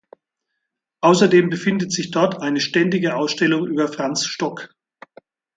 Außerdem befindet sich dort eine ständige Ausstellung über Franz Stock.